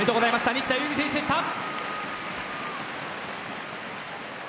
西田有志選手でした。